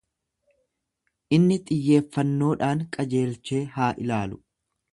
Inni xiyyeeffannoodhaan qajeelchee haa ilaalu.